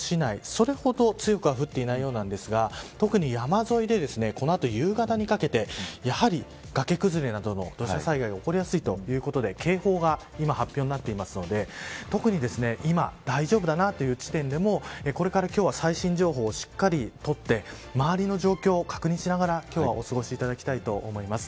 それほど強くは降っていないようですが特に山沿いでこの後、夕方にかけてやはり崖崩れなどの土砂災害起こりやすいということで警報が今、発表になっているので特に今大丈夫だなという地点でもこれから今日は最新情報をしっかりとって周りの状況を確認しながら今日はお過ごしいただきたいと思います。